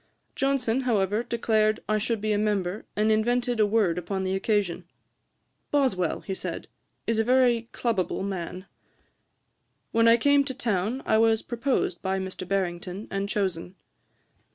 Johnson, however, declared I should be a member, and invented a word upon the occasion: 'Boswell (said he) is a very clubable man.' When I came to town I was proposed by Mr. Barrington, and chosen.